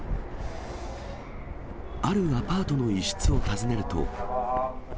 あるアパートの一室を訪ねると。